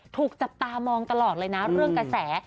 ถูกจับตามองตลอดเลยนะเรื่องกระแส